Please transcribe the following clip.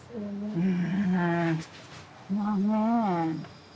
うん。